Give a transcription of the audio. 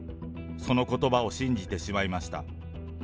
そのことばを信じてしまいました。